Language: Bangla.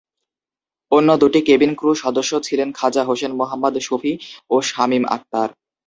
অন্য দুটি কেবিন ক্রু সদস্য ছিলেন খাজা হোসেন মোহাম্মদ শফি ও শামীম আক্তার।